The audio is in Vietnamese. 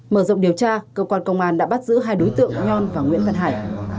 mở rộng điều tra cơ quan công an đã bắt giữ hai đối tượng nhon và nguyễn văn hải